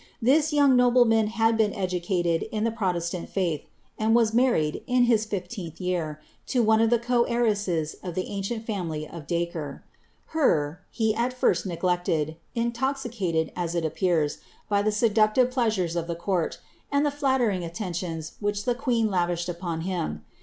This young nobleman had been educated in the proiestani faith, and was marric<l, in his fifteenth year, to one of the co heiresses of the ancient family of Dacre. Her, he at first neglected, intoxicated, as it appears, by the seductive pleasures of the court, and the Haltering aiteniions which ihe queen lavished upon him.